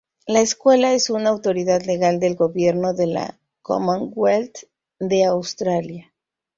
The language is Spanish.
La escuela es una autoridad legal del gobierno de la Commonwealth de Australia.